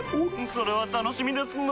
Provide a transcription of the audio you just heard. それは楽しみですなぁ。